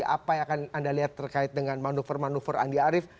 apa yang akan anda lihat terkait dengan manuver manuver andi arief